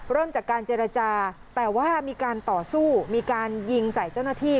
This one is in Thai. เริ่มจากการเจรจาแต่ว่ามีการต่อสู้มีการยิงใส่เจ้าหน้าที่